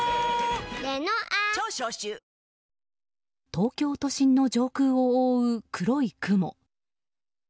東京都心の上空を覆う黒い雲。